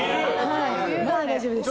まだ大丈夫です。